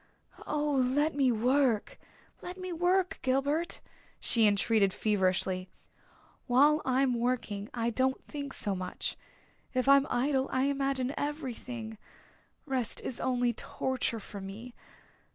"Oh, let me work let me work, Gilbert," she entreated feverishly. "While I'm working I don't think so much. If I'm idle I imagine everything rest is only torture for me.